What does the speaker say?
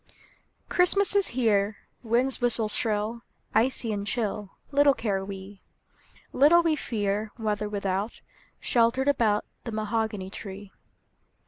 CHRISTMAS is here; WInds whiste shrill, Icy and chill, Little care we; Little we fear Weather without, Sheltered about The mahogany tree.